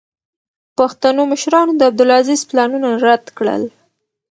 پښتنو مشرانو د عبدالعزیز پلانونه رد کړل.